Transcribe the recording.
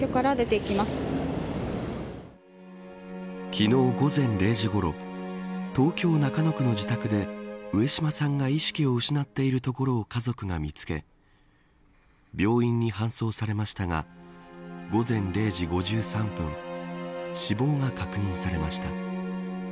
昨日、午前０時ごろ東京、中野区の自宅で上島さんが意識を失っているところを家族が見つけ病院に搬送されましたが午前０時５３分死亡が確認されました。